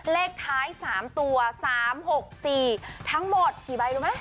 เลขท้าย๓ตัว๓๖๔ทั้งหมดกี่ใบรู้ไหม